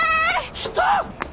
来た！